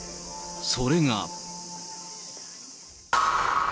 それが。